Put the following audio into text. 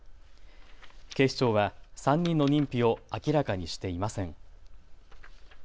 警視庁は３人の認否を明らかにしていません。